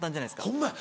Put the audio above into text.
ホンマや。